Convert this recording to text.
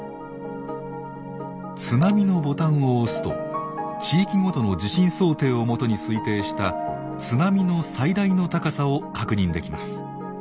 「津波」のボタンを押すと地域ごとの地震想定を基に推定した津波の最大の高さを確認できます。